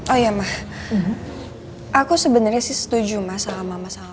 oh ya mah aku sebenarnya sih setuju masalah masalah